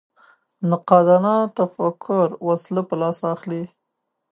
نقادانه تفکر وسله په لاس اخلي